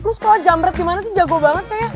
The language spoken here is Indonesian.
lo sekolah jamret gimana sih jago banget kayaknya